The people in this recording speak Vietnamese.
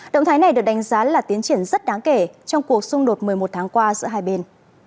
động thái này được đánh giá là tiến triển rất đáng kể trong cuộc xung đột một mươi một tháng qua giữa hai bên